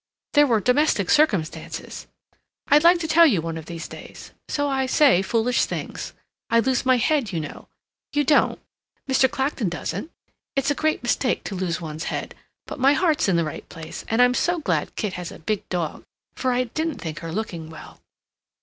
There were domestic circumstances—I'd like to tell you one of these days—so I say foolish things. I lose my head, you know. You don't. Mr. Clacton doesn't. It's a great mistake, to lose one's head. But my heart's in the right place. And I'm so glad Kit has a big dog, for I didn't think her looking well."